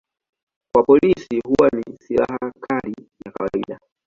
Kwa polisi huwa ni silaha kali ya kawaida.